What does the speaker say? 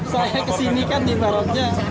saya kesini kan di baratnya